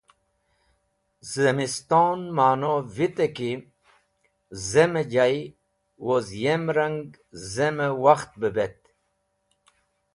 Zemiston ma’no vite ki zem-e jay, woz yem rang zem-e wakht be bet.